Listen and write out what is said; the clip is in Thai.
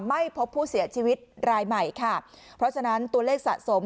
ไม่พบผู้เสียชีวิตรายใหม่ค่ะเพราะฉะนั้นตัวเลขสะสม